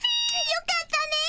よかったね！